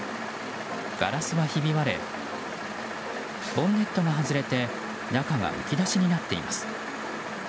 ガラスはひび割れボンネットが外れて中がむき出しになっています。